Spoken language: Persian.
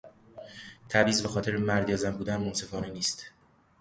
تبعیض به خاطر مرد یا زن بودن منصفانه نیست.